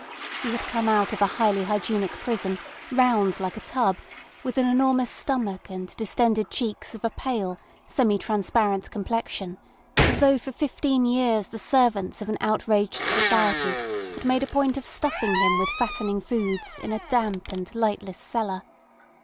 He had come out of a highly hygienic prison round like a tub, with an enormous stomach and distended cheeks of a pale, semi transparent complexion, as though for fifteen years the servants of an outraged society had made a point of stuffing him with fattening foods in a damp and lightless cellar.